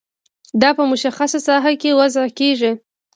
دا په مشخصه ساحه کې وضع کیږي.